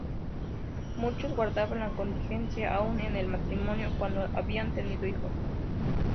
Muchos guardaban la continencia, aun en el matrimonio cuando habían tenido hijos.